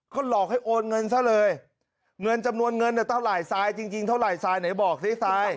ก็หลอกให้โอนเงินซะเลยเงินจำนวนเงินเท่าไหร่ทรายจริงเท่าไหร่ทรายไหนบอกสิทราย